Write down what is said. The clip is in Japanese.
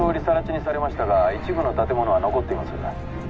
さら地にされましたが一部の建物は残っています